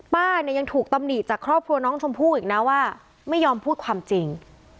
ป้าเนี่ยยังถูกตำหนิจากครอบครัวน้องชมพู่อีกนะว่าไม่ยอมพูดความจริง